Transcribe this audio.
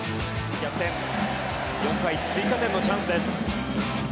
４回追加点のチャンスです。